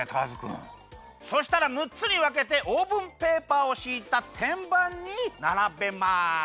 そしたらむっつにわけてオーブンペーパーをしいたてんばんにならべます。